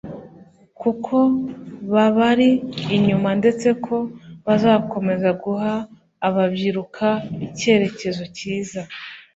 kuko babari inyuma ndetse ko bazakomeza guha ababyiruka icyerekezo cyiza